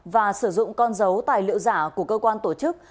và sử dụng con dấu tài liệu giả của cơ quan tổ chức